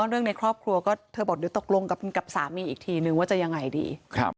ในครอบครัวก็เธอบอกเดี๋ยวตกลงกับสามีอีกทีนึงว่าจะยังไงดี